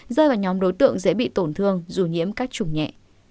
rơi vào nhóm đối tượng dễ bị tổn thương dù nhiễm các chủng nhẹ